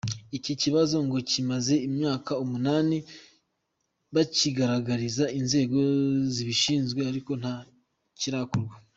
Iki kibazo ngo kimaze imyaka umunani bakigaragariza inzego zibishinzwe ariko nta kirakorwa.